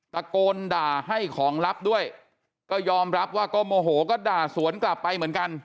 ตะโกนด่าให้ของลับด้วยก็ยอมรับว่าก็โมโหก็ด่าสวนกลับไปเหมือนกัน